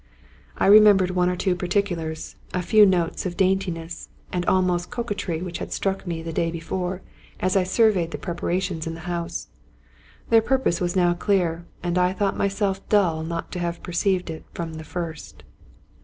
I remembered one or two particulars, a few notes of daintiness and almost of coquetry which had struck me the day before as I surveyed the preparations in the house ; their purpose was now clear, and I thought myself dull not to have perceived it from the first.